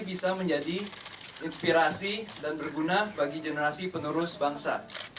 bisa menjadi inspirasi dan berguna bagi generasi penerus bangsa